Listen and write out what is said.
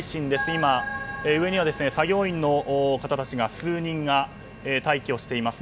今、上には作業員の方たち数人が待機しています。